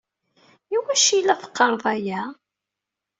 I wacu i la teqqareḍ aya?